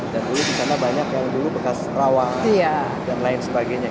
dan dulu di sana banyak yang dulu bekas rawa dan lain sebagainya